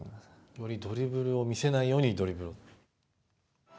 よりドリブルを見せないようにドリブル。